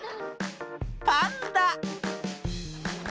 パンダ！